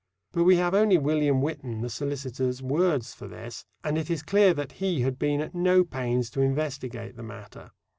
But we have only William Whitton, the solicitor's words for this, and it is clear that he had been at no pains to investigate the matter.